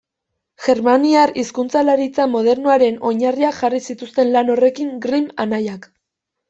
Germaniar hizkuntzalaritza modernoaren oinarriak jarri zituzten lan horrekin Grimm anaiek.